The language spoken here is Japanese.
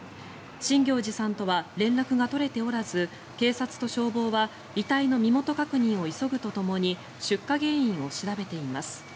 新行内さんとは連絡が取れておらず警察と消防は遺体の身元確認を急ぐとともに出火原因を調べています。